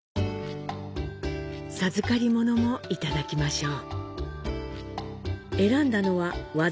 授かり物もいただきましょう。